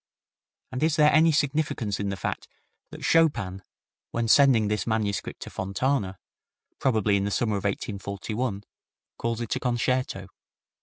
And is there any significance in the fact that Chopin, when sending this manuscript to Fontana, probably in the summer of 1841, calls it a concerto?